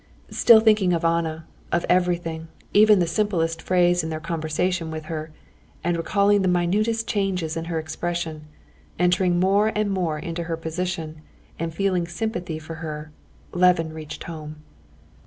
Still thinking of Anna, of everything, even the simplest phrase in their conversation with her, and recalling the minutest changes in her expression, entering more and more into her position, and feeling sympathy for her, Levin reached home.